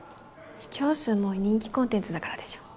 視聴数も多い人気コンテンツだからでしょ。